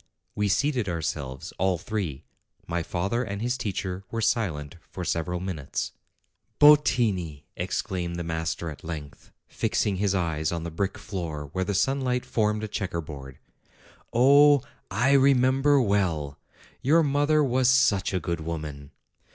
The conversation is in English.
We seated ourselves, all three. My father and his teacher were silent for several minutes. "Bottini!" exclaimed the master at length, fixing his eyes on the brick floor where the sunlight formed a checker board. "Oh ! I remember well ! Your mother was such a good woman